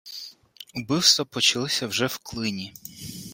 Убивства почалися вже в Клині